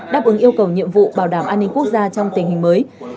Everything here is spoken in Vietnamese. đáp ứng yêu cầu nhiệm vụ bảo đảm an ninh quốc gia trong tình hình mới